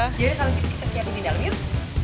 kalau kita siapin di dalam yuk